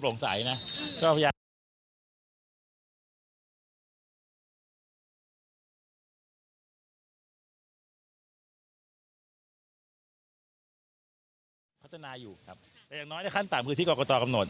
พัฒนาอยู่ครับแต่อย่างน้อยในขั้นต่ำคือที่กรกตกำหนด